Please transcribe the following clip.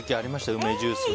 梅ジュースを。